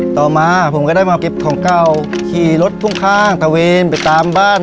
ต่อมาผมก็ได้มาเก็บของเก่าขี่รถพ่วงข้างตะเวนไปตามบ้าน